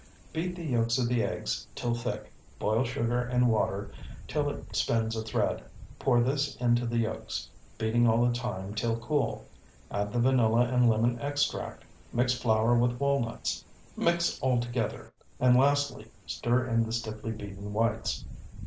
Beat the yolks of the eggs till thick; boil sugar in water till it spins a thread. Pour this into the yolks, beating all the time till cool. Add the vanilla and lemon extract; mix flour with walnuts; mix all together, and lastly stir in the stiffly beaten whites.